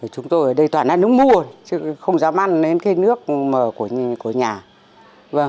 chúng tôi ở đây toàn là nước mua chứ không dám ăn đến cái nước của nhà